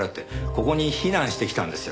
ここに避難してきたんですよ。